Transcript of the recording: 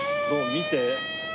見て。